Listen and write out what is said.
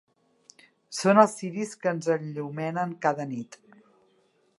Són els ciris que ens enllumenen cada nit.